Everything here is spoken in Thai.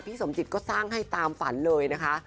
สมจิตก็สร้างให้ตามฝันเลยนะคะ